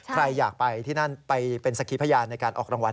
ใครอยากไปที่นั่นไปเป็นสักขีพยานในการออกรางวัล